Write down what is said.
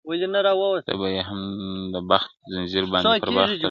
ته به يې هم د بخت زنځير باندي پر بخت تړلې.